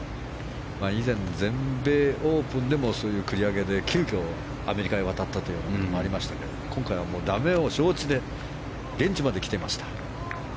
以前、全米オープンでも繰り上げで、急きょアメリカへ渡ったことがありましたが今回はだめを承知で現地まで来ていました。